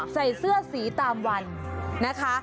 ใส่เสื้อสีตามวันนะคะ